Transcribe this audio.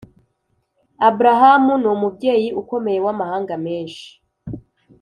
Abrahamu ni umubyeyi ukomeye w’amahanga menshi,